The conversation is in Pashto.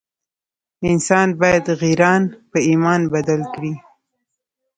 انسان باید غیران په ایمان بدل کړي.